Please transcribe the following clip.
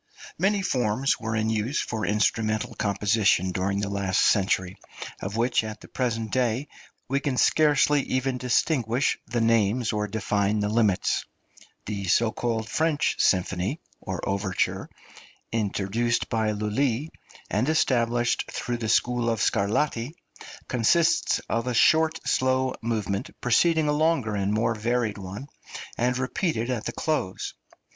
Many forms were in use for instrumental composition during the last century, of which, at the present day, we can scarcely even distinguish the names or define the limits. The so called French symphony (or overture) introduced by Lulli, and established through the school of Scarlatti, {SYMPHONIES OR OVERTURES.} (291) consists of a short slow movement preceding a longer and more varied one, and repeated at the close.